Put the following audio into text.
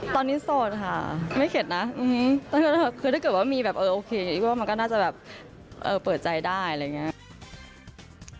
ตอนนี้โสดค่ะไม่เข็ดนะอยู่งี้คือถ้าเกิดว่ามีแบบเอือโอเคก็ไม่อื้อง่าจะแบบเปิดใจได้เลยอย่างเงี้ย